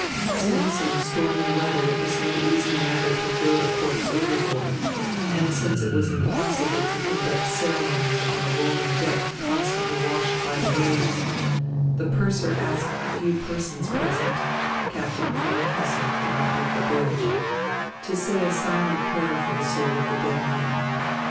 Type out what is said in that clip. Since in the stormy weather it was no easy matter to throw the corpse overboard and since it was impossible to conduct ceremonies on a rolling deck constantly washed by the waves, the purser asked the few persons present Captain von Kessel could not leave the bridge to say a silent prayer for the soul of the dead man.